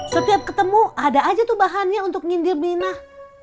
setiap ketemu ada aja tuh bahannya untuk nyindir minah